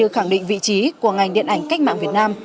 khẳng định vị trí của ngành điện ảnh cách mạng việt nam